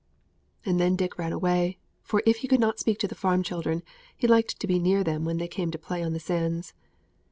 And then Dick ran away, for if he could not speak to the farm children, he liked to be near them when they came to play on the sands.